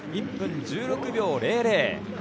１分１６秒００。